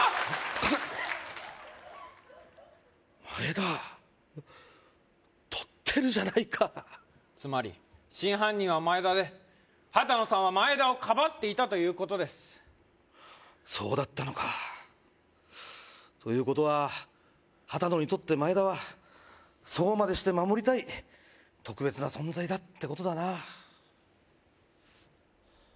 貸せマエダ取ってるじゃないかつまり真犯人はマエダで羽多野さんはマエダをかばっていたということですそうだったのかということは羽多野にとってマエダはそうまでして守りたい特別な存在だってことだな